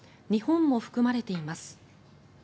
日本も含まれています。